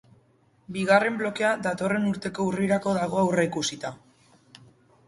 Bigarren blokea datorren urteko urrirako dago aurreikusita.